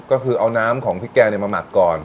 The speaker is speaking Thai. ก็คือเอาน้ำของพริกแกงมาหมักก่อน